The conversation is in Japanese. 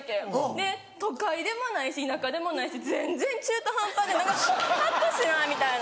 で都会でもないし田舎でもないし全然中途半端で何かぱっとしないみたいな。